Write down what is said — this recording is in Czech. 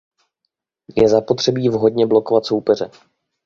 Je zapotřebí vhodně blokovat soupeře.